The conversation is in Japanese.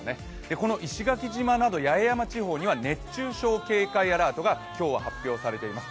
この石垣島など、八重山地方には熱中症警戒アラートが今日は発表されています。